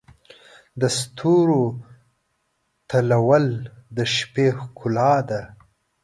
د ستورو تلؤل د شپې ښکلا ده.